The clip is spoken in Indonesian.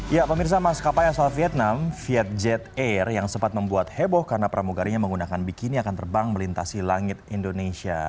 ya pemirsa maskapai asal vietnam vietjet air yang sempat membuat heboh karena pramugarinya menggunakan bikini akan terbang melintasi langit indonesia